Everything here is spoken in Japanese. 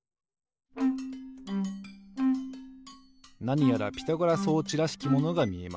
なにやらピタゴラ装置らしきものがみえます。